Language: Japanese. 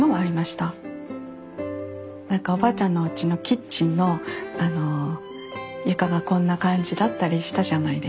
おばあちゃんのおうちのキッチンの床がこんな感じだったりしたじゃないですか。